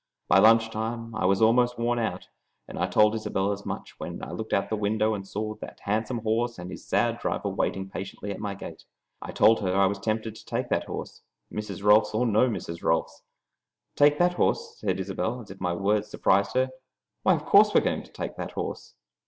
By lunch time I was almost worn out, and I told Isobel as much when I looked out of the window and saw that handsome horse and his sad driver waiting patiently at my gate. I told her I was tempted to take that horse, Mrs. Rolfs or no Mrs. Rolfs. "Take that horse?" said Isobel, as if my words surprised her. "Why, of course we are going to take that horse!"